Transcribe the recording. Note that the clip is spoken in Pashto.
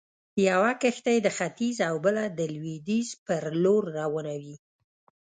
يوه کښتۍ د ختيځ او بله د لويديځ پر لور روانوي.